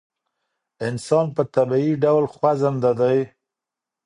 انسان په طبعي ډول خوځنده دی.